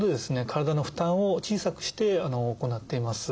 体の負担を小さくして行っています。